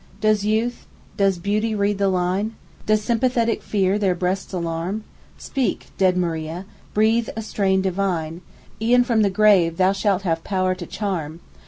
Does youth, does beauty read the line? Does sympathetic fear their breasts alarm? Speak, dead Maria; breathe a strain divine; E'en from the grave thou shalt have power to charm.